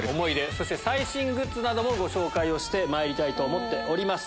そして最新グッズなどもご紹介をしてまいりたいと思っております。